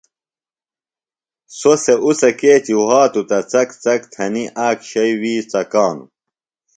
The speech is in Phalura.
سوۡ سےۡ اُڅہ کیچیۡ وھاتوۡ تہ څک څک تھنی آک شئیۡ وِی څکانوۡ